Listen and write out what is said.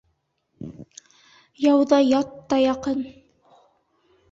Яуҙа ят та яҡын.